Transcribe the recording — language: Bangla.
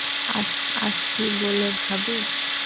আজ কি বলে ভাত খাবি?